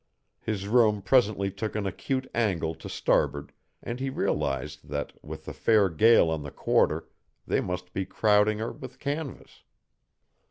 His room presently took an acute angle to starboard, and he realized that, with the fair gale on the quarter, they must be crowding her with canvas.